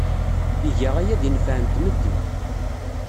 Iga aya deg nnfeɛ n tmetti.